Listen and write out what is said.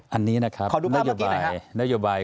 ขอดูภาพเมื่อกี้หน่ะครับ